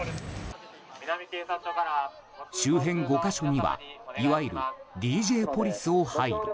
周辺５か所にはいわゆるＤＪポリスを配備。